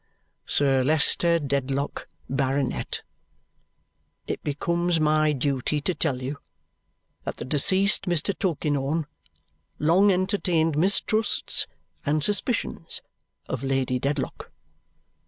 "Sir Leicester Dedlock, Baronet, it becomes my duty to tell you that the deceased Mr. Tulkinghorn long entertained mistrusts and suspicions of Lady Dedlock."